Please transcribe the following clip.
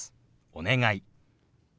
「お願い」。